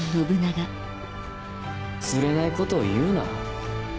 つれないことを言うな。